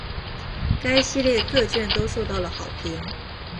该系列各卷都受到了好评。